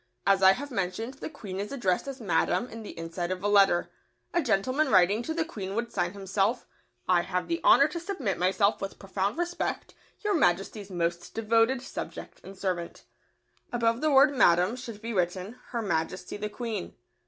As I have mentioned, the Queen is addressed as "Madam" in the inside of a letter. A gentleman writing [Sidenote: To the Queen.] to the Queen would sign himself, "I have the honour to submit myself, with profound respect, Your Majesty's most devoted subject and servant." Above the word "Madam" should be written "Her Majesty the Queen."